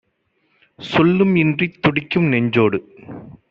சொல்லும் இன்றித் துடிக்கும் நெஞ்சோடு